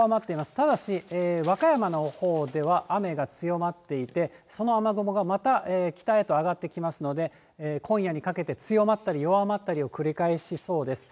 ただし、和歌山のほうでは雨が強まっていて、その雨雲がまた北へと上がってきますので、今夜にかけて強まったり弱まったりを繰り返しそうです。